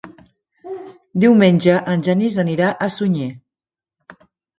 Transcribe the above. Diumenge en Genís anirà a Sunyer.